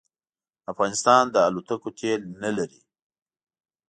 افغانستان د الوتکو تېل نه لري